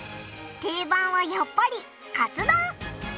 定番はやっぱりカツ丼！